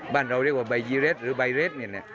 บ้านเราเรียกว่าใบยีเร็ดหรือใบเร็ดเนี่ยเนี่ย